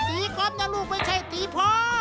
ตีกอล์ฟยาลูกไม่ใช่ตีพ่อ